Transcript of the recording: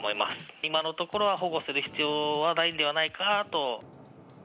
今のところは保護する必要はないのではないかなと。